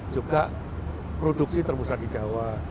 juga produksi terbesar di jawa